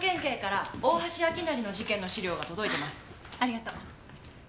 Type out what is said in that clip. ありがとう。